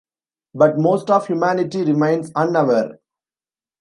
But most of humanity remains unaware.